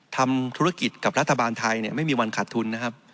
ทำธุรกิจกับรัฐบาลไทยไม่มีวันขาดทุนนะครับ